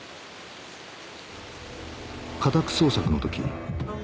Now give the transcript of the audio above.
家宅捜索の時。